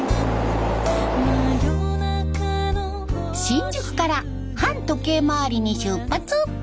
新宿から反時計回りに出発。